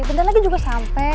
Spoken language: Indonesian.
bentar lagi juga sampe